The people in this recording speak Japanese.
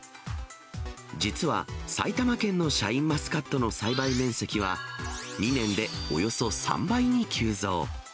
実は、埼玉県のシャインマスカットの栽培面積は２年でおよそ３倍に急増。